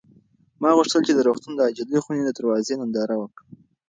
ما غوښتل چې د روغتون د عاجلې خونې د دروازې ننداره وکړم.